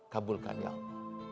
kabulkan ya allah